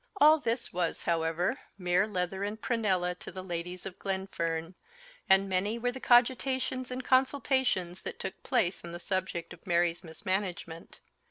All this was, however, mere leather and prunella to the ladies of Glenfern; and many were the cogitations and consultations that took place n the subject of Mary's mismanagement.